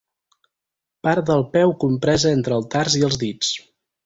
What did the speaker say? Part del peu compresa entre el tars i els dits.